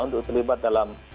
untuk terlibat dalam